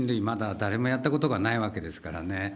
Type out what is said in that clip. まだ誰もやったことがないわけですからね。